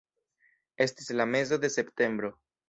Estis la mezo de septembro.